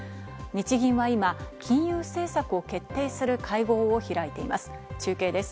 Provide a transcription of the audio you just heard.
日銀は今、金融政策を決定する会合を開いています。